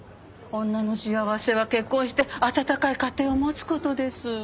女の幸せは結婚して温かい家庭を持つことです。